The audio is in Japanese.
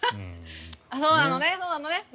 そうなのね。